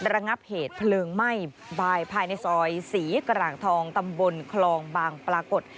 ระงับเหตุเพลิงไหม้บายภายในซอยศรีกร่างทองตำบลคลองบางปรากฏ